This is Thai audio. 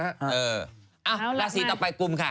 อะลาสิต่อไปกุ้มฮะ